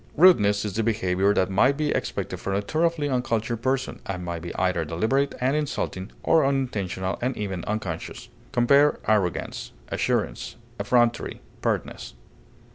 Rudeness is the behavior that might be expected from a thoroughly uncultured person, and may be either deliberate and insulting or unintentional and even unconscious. Compare ARROGANCE; ASSURANCE; EFFRONTERY; PERTNESS.